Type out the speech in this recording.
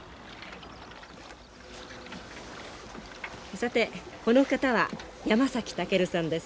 さてこの方は山崎武さんです。